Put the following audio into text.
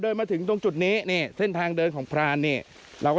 มาถึงตรงจุดนี้นี่เส้นทางเดินของพรานนี่เราก็